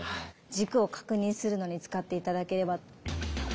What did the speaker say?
軸を確認するのに使って頂ければ。